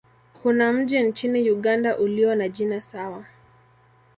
Kuna mji nchini Uganda ulio na jina sawa.